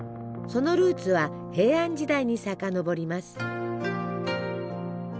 そのルーツは平安時代に遡ります。